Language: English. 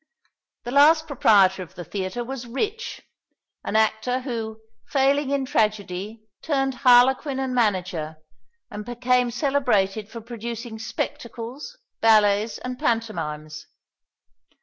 The last proprietor of the theatre was Rich, an actor who, failing in tragedy, turned harlequin and manager, and became celebrated for producing spectacles, ballets, and pantomimes.